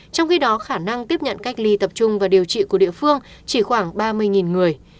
trong khi đó khả năng tiếp nhận cách ly tập trung và điều trị của địa phương chỉ khoảng ba mươi người